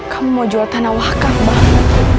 kamu mau jual tanah wakaf banget